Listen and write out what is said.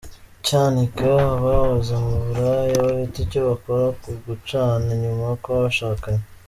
Cyanika Abahoze mu buraya bafite icyo bakora ku gucana inyuma kw’abashakanye